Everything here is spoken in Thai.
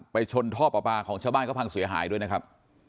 ชนท่อปลาปลาของชาวบ้านเขาพังเสียหายด้วยนะครับ